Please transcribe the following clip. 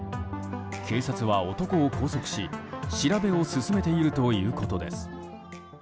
警察は男を拘束し、調べを進めているということです。